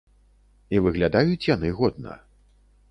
І выглядаюць яны годна.